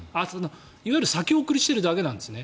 いわゆる先送りにしているだけなんですね。